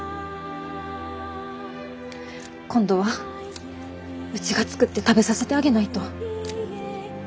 今度はうちが作って食べさせてあげないと。